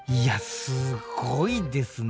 すごいですね。